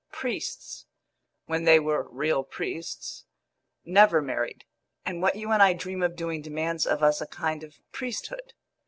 Priests when they were real priests never married, and what you and I dream of doing demands of us a kind of priesthood.